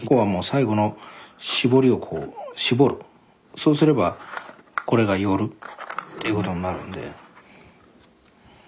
そうすればこれがよるっていうことになるんで。